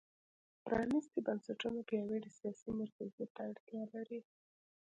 پرانېستي بنسټونه پیاوړي سیاسي مرکزیت ته اړتیا لري.